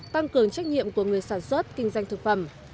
tăng cường trách nhiệm của người sản xuất kinh doanh thực phẩm